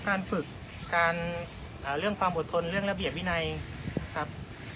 การฝึกการเรื่องความอดทนเรื่องระเบียบวินัยครับ